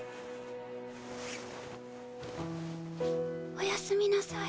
おやすみなさい。